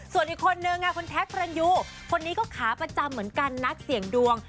ส่วนอีกคนนึงคนนี้ก็ขาประจำเหมือนกันนะเสี่ยงดวง